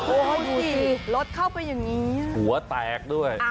โอ้โหรถเข้าไปอย่างนี้หัวแตกด้วย